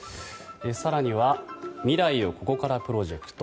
更には未来をここからプロジェクト。